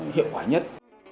hiệu quả nhất